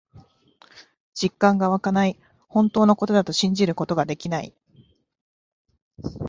実感がわかない。本当のことだと信じることができない。